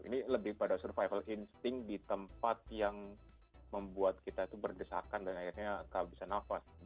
ini lebih pada survival instinct di tempat yang membuat kita berdesakan dan akhirnya tak bisa nafas